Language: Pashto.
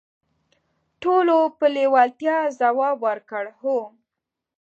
ټولو په لیوالتیا ځواب ورکړ: "هو".